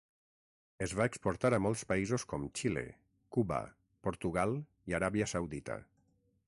Es va exportar a molts països, com Xile, Cuba, Portugal i Aràbia Saudita.